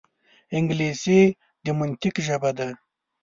انګلیسي د منطق ژبه ده